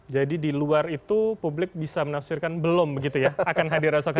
jadi di luar itu publik bisa menafsirkan belum begitu ya akan hadir esok hari